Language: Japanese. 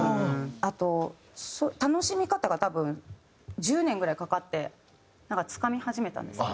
あと楽しみ方が多分１０年ぐらいかかってなんかつかみ始めたんですかね。